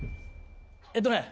えっとね